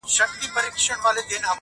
• سیاه پوسي ده، افغانستان دی.